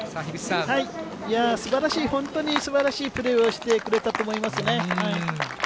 いやー、すばらしい、本当にすばらしいプレーをしてくれたと思いますね。